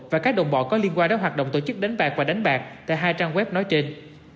và các đồng bọn có liên quan đến hoạt động tổ chức đánh bạc và đánh bạc tại hai trang web nói trên